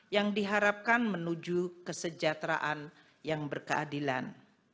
yang diharapkan menuju kesejahteraan yang berkeadilan